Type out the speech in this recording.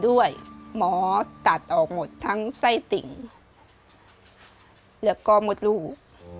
หมอตัดออกหมดทั้งไส้ติ่งแล้วก็มดลูก